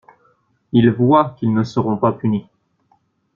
Ils voient qu'ils seront pas punis.